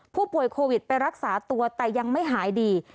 ผู้ป่วยโควิดไปรักษาตัวแต่ยังไม่หายดี